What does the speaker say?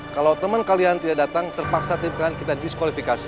kalau teman kalian tidak datang terpaksa tim kalian kita diskualifikasi